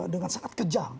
dengan sangat kejam